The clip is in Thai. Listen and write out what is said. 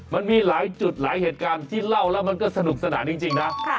มันมีหลายจุดหลายเหตุการณ์ที่เล่าแล้วมันก็สนุกสนานจริงนะ